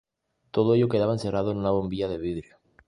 Todo ello quedaba encerrado en una bombilla de vidrio.